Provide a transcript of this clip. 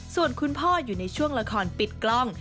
ส่วนคุณพ่ออยู่ในช่วงละครปิดกล้อง